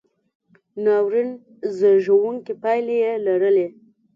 ناورین زېږوونکې پایلې یې لرلې.